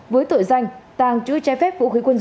với tội danh tàng chú trái phép